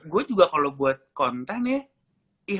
gue juga kalau buat konten ya